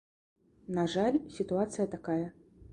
На жаль, сітуацыя такая.